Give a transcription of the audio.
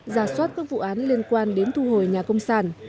giả soát các vụ án liên quan đến thu hồi nhà công sản